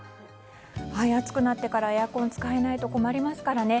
暑くなってからエアコンを使えないと困りますからね。